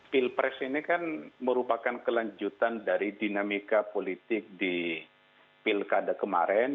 pilpres ini kan merupakan kelanjutan dari dinamika politik di pilkada kemarin